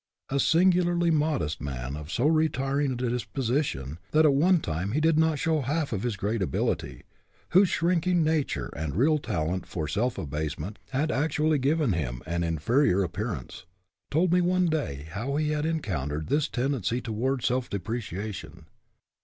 A singularly modest man of so retiring a dis position that at one time he did not show half of his great ability, whose shrinking nature and real talent for self abasement had actually given him an inferior appearance, told me one day how he had counteracted this tendency toward self depreciation.